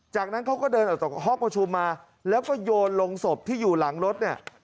จากนั้นเขาก็เดินออกจากห้องประชุมมาแล้วก็โยนลงศพที่อยู่หลังรถเนี่ย